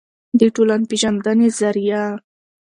دټولنپېژندې ظریه